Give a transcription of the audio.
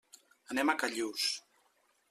Anem a Callús.